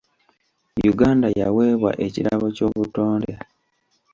Uganda yaweebwa ekirabo ky'obutonde.